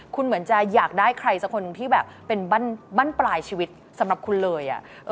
คุณเหมือนจะอยากได้ใครสักคนหนึ่งที่แบบเป็นบ้านปลายชีวิตสำหรับคุณเลย